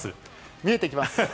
見えてきます。